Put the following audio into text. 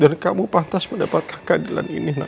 dan kamu pantas mendapatkan keadilan ini nak